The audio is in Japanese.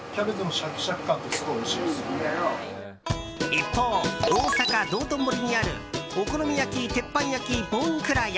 一方、大阪・道頓堀にあるお好み焼き・鉄板焼ぼんくら家。